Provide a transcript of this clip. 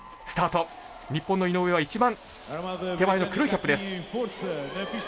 日本の井上は一番手前の黒いキャップです。